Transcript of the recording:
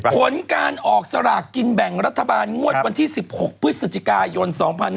ผลการออกสลากกินแบ่งรัฐบาลงวดวันที่๑๖พฤศจิกายน๒๕๖๒